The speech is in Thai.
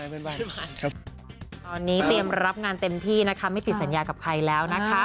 ตอนนี้เตรียมรับงานเต็มที่นะคะไม่ติดสัญญากับใครแล้วนะคะ